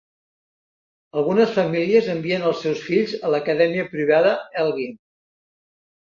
Algunes famílies envien els seus fills a l'Acadèmia privada Elgin.